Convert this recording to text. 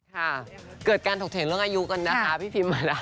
ค่ะเกิดการถกเถียงเรื่องอายุกันนะคะพี่พิมมานะ